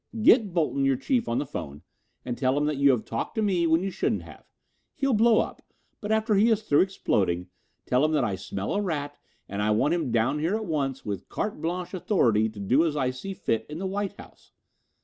"Get Bolton, your chief, on the phone and tell him that you have talked to me when you shouldn't have. He'll blow up, but after he is through exploding, tell him that I smell a rat and that I want him down here at once with carte blanche authority to do as I see fit in the White House.